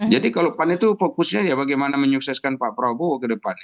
jadi kalau pan itu fokusnya ya bagaimana menyukseskan pak prabowo ke depan